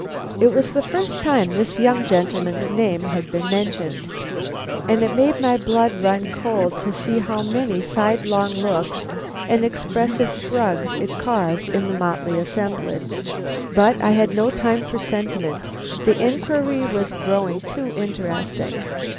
It was the first time this young gentleman's name had been mentioned, and it made my blood run cold to see how many side long looks and expressive shrugs it caused in the motley assemblage. But I had no time for sentiment; the inquiry was growing too interesting.